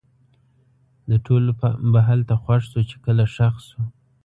د ټولو به هلته خوښ شو؛ چې کله ښخ سو